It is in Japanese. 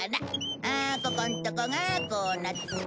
ああここんとこがこうなって。